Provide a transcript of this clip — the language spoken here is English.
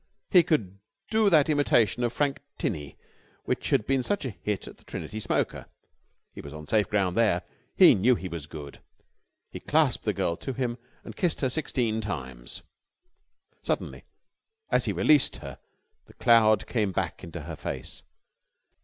He could do that imitation of Frank Tinney which had been such a hit at the Trinity smoker. He was on safe ground there. He knew he was good. He clasped the girl to him and kissed her sixteen times. Suddenly, as he released her, the cloud came back into her face.